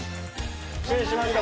失礼しました。